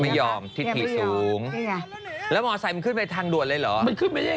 ไม่ยอมทิศิสูงแล้วมอเตอร์ไซค์มันขึ้นไปทางด่วนเลยเหรอ